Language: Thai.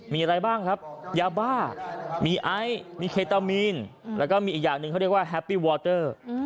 มีอะไรบ้างครับยาบ้ามีไอซ์มีเคตามีนแล้วก็มีอีกอย่างหนึ่งเขาเรียกว่าแฮปปี้วอเตอร์